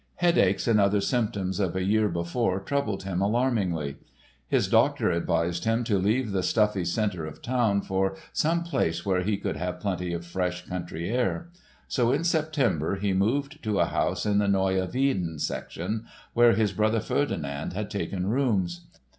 Headaches and other symptoms of a year before troubled him alarmingly. His doctor advised him to leave the stuffy center of town for some place where he could have plenty of fresh country air. So in September he moved to a house in the Neue Wieden section, where his brother Ferdinand had taken rooms.